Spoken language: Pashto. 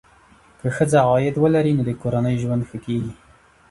که ښځه عاید ولري، نو د کورنۍ ژوند ښه کېږي.